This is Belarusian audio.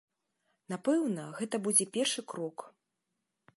Напэўна, гэта будзе першы крок.